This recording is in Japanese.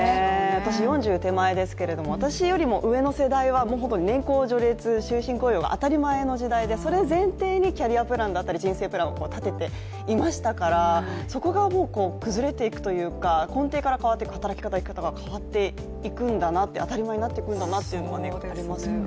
私４０手前ですけれども私よりも上の世代は、年功序列、終身雇用が当たり前の時代で、それを前提にキャリアプラン人生プランをたてていましたからそこが崩れていくというか根底から変わっていく、働き方が変わっていくんだな、当たり前になってくるんだなっていうのがありますね。